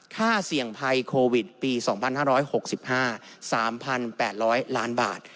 ค่าเสี่ยงภัยโควิดปี๒๕๖๕๓๘๐๐ล้านบาท